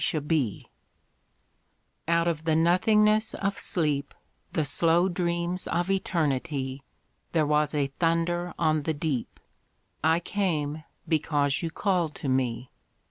The Call Out of the nothingness of sleep, The slow dreams of Eternity, There was a thunder on the deep: I came, because you called to me.